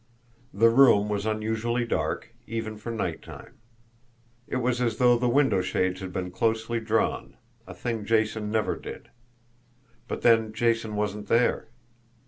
The room was unusually dark, even for night time. It was as though the window shades had been closely drawn a thing Jason never did. But then Jason wasn't there!